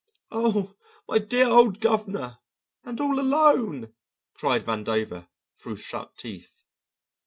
"Oh, my dear old governor and all alone!" cried Vandover through shut teeth.